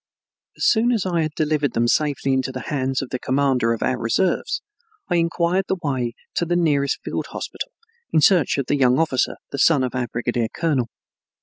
As soon as I had delivered them safely into the hands of the commander of our reserves, I inquired the way to the nearest field hospital in search of the young officer, the son of our brigadier colonel.